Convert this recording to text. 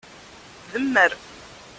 Demmer!